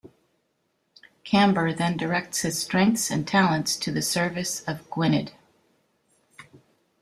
Camber then directs his strengths and talents to the service of Gwynned.